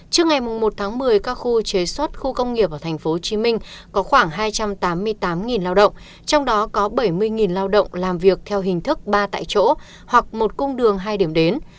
trước ngày một tháng một mươi các khu chế xuất khu công nghiệp ở tp hcm có khoảng hai trăm tám mươi tám lao động trong đó có bảy mươi lao động làm việc theo hình thức ba tại chỗ hoặc một cung đường hai điểm đến